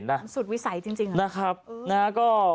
หัวใจสุดวิสัยจริง